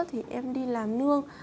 thì em đi làm nương